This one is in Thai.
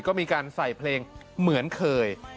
ก็มีการใส่เพลงเหมือนเคย